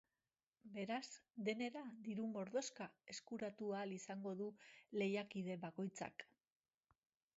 Beraz, denera, diru mordoxka eskuratu ahal izango du lehiakide bakoitzak.